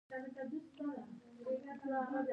هلک د خپل چاپېریال د ښېرازۍ لپاره هڅه کوي.